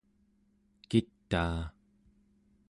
kitaa